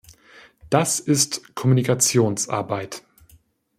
Das ist Kommunikationsarbeit.